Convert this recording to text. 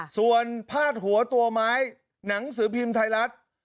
ส่วนพาดหัวตัวไม้หนังสือพิมพ์ไทยรัฐ